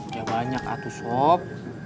ya banyak atuh sob